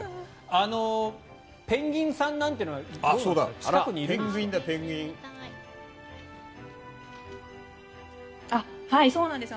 ペンギンさんなんていうのは近くにいるんですか？